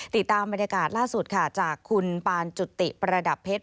ติดตามบรรยากาศล่าสุดค่ะจากคุณปานจุติประดับเพชร